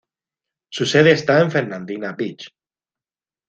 Su sede está en Fernandina Beach.